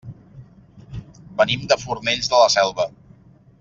Venim de Fornells de la Selva.